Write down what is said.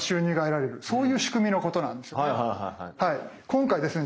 今回ですね